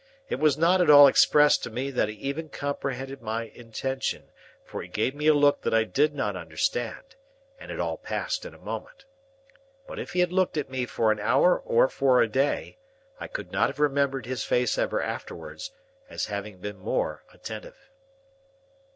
It was not at all expressed to me that he even comprehended my intention, for he gave me a look that I did not understand, and it all passed in a moment. But if he had looked at me for an hour or for a day, I could not have remembered his face ever afterwards, as having been more attentive.